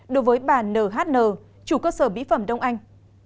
đối với bà nhn chủ cơ sở mỹ phẩm đông anh